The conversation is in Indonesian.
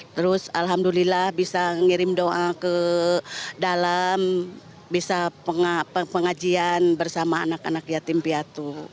terus alhamdulillah bisa ngirim doa ke dalam bisa pengajian bersama anak anak yatim piatu